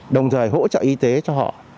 đồng thời hỗ trợ y tế cho họ